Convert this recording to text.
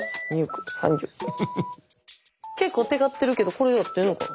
結構テカってるけどこれで合ってんのかな？